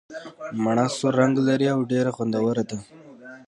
مڼه سور رنګ لري او ډېره خوندوره ده.